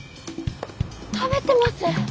食べてます。